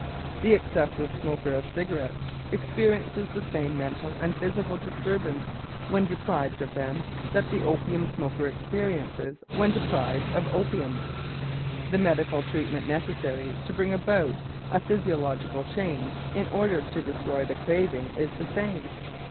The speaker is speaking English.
The excessive smoker of cigarettes experiences the same mental and physical disturbance when deprived of them that the opium smoker experiences when deprived of opium. The medical treatment necessary to bring about a physiological change in order to destroy the craving is the same.